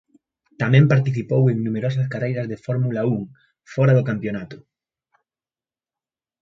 Tamén participou en numerosas carreiras de Fórmula Un fora do campionato.